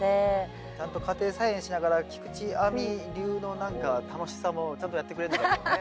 ちゃんと家庭菜園しながら菊地亜美流の何か楽しさもちゃんとやってくれたよね。